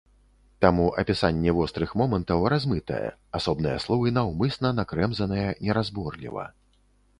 Таму апісанне вострых момантаў размытае, асобныя словы наўмысна накрэмзаныя неразборліва.